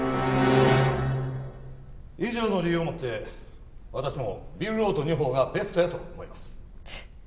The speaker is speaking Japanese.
以上の理由をもって私もビルロートⅡ法がベストやと思います。